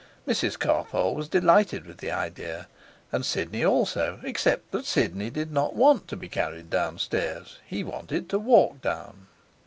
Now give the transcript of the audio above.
Mrs Carpole was delighted with the idea, and Sidney also, except that Sidney did not want to be carried downstairs he wanted to walk down.